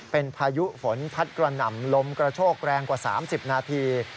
เป็นพายุฝนพัดกระหน่ำลมกระโชกแรงกว่า๓๐นาที